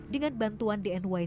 dengan bantuan dny skincare